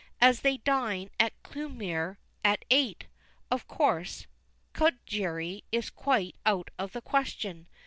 As they dine at Clewmere at eight, of course Cudgerry is quite out of the question.